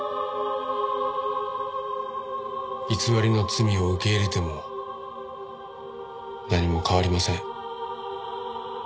偽りの罪を受け入れても何も変わりません。